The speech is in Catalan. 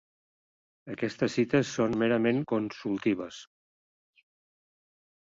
Aquestes cites són merament consultives.